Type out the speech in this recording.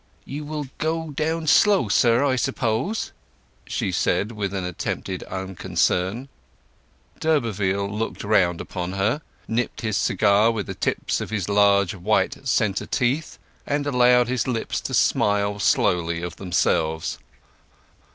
"You will go down slow, sir, I suppose?" she said with attempted unconcern. D'Urberville looked round upon her, nipped his cigar with the tips of his large white centre teeth, and allowed his lips to smile slowly of themselves.